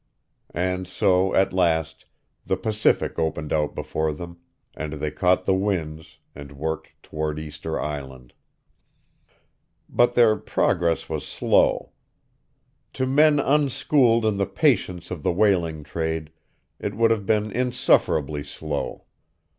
And so at last the Pacific opened out before them, and they caught the winds, and worked toward Easter Island. But their progress was slow. To men unschooled in the patience of the whaling trade, it would have been insufferably slow.